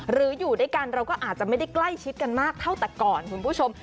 หรืออยู่ด้วยกันเราก็อาจจะไม่ได้ใกล้ชิดกันมากเท่าแต่ก่อนคุณผู้ชม